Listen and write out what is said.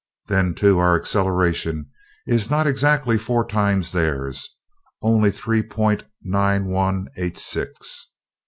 Then, too, our acceleration is not exactly four times theirs, only three point nine one eight six.